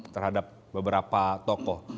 terhadap beberapa tokoh